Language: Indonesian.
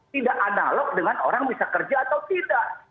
tidak analog dengan orang bisa kerja atau tidak